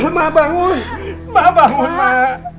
emak bangun emak bangun emak